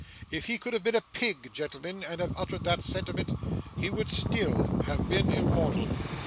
If he could have been a pig, gentlemen, and have uttered that sentiment, he would still have been immortal.